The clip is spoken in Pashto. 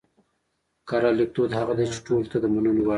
کره ليکدود هغه دی چې ټولو ته د منلو وړ وي